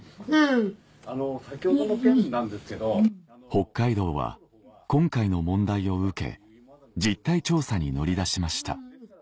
北海道は今回の問題を受け実態調査に乗り出しました